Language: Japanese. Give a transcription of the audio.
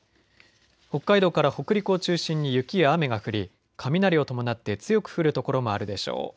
北海道から北陸を中心に雪や雨が降り、雷を伴って強く降る所もあるでしょう。